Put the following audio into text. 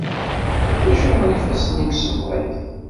Acuɣer ifassen-im semmḍit?